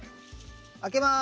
開けます。